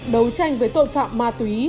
đấu tranh với tội phạm ma túy